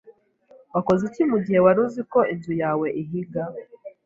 Wakoze iki mugihe wari uzi ko inzu yawe ihiga?